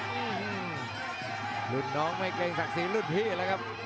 อืมรุ่นน้องไม่เกรงศักดิ์ศรีรุ่นพี่แล้วครับ